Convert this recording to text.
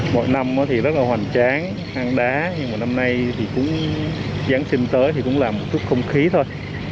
mỗi năm thì rất là hoàn trang hăng đá nhưng mà năm nay thì cũng giáng sinh tới thì cũng là một chút không khí thôi